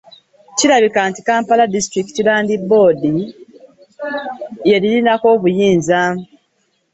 Era nti Kampala District Land Board y'eririnako obuyinza.